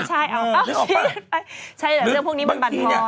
ใช่ใช่เอ้าเอาไปใช่หรอเรื่องพวกนี้มันบัดพร